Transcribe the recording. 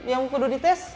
yang kedua dites